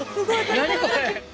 何これ？